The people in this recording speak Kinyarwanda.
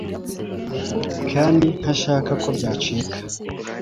kandi ntashaka ko byacika